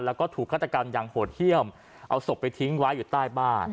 แล้วก็ถูกฆาตกรรมอย่างโหดเยี่ยมเอาศพไปทิ้งไว้อยู่ใต้บ้าน